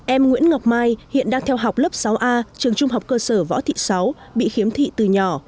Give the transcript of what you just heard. em nguyễn ngọc mai hiện đang theo học lớp sáu a trường trung học cơ sở võ thị sáu bị khiếm thị từ nhỏ